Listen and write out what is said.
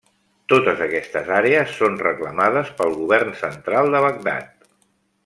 Totes aquestes àrees són reclamades pel govern central de Bagdad.